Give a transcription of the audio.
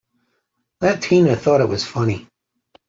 That Tina thought it was funny!